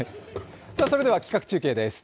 それでは企画中継です。